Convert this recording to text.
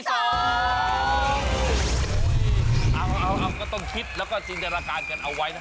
เอาก็ต้องคิดแล้วก็จินตนาการกันเอาไว้นะฮะ